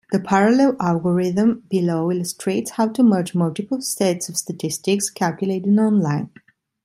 The parallel algorithm below illustrates how to merge multiple sets of statistics calculated online.